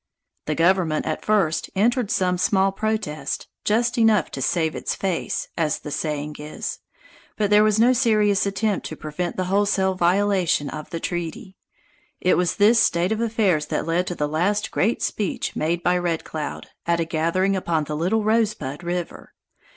The government, at first, entered some small protest, just enough to "save its face" as the saying is; but there was no serious attempt to prevent the wholesale violation of the treaty. It was this state of affairs that led to the last great speech made by Red Cloud, at a gathering upon the Little Rosebud River.